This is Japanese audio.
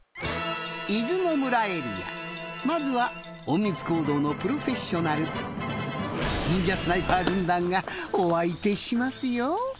伊豆の村エリアまずは隠密行動のプロフェッショナル忍者スナイパー軍団がお相手しますよ。